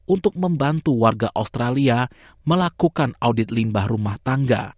untuk membantu warga australia melakukan audit limbah rumah tangga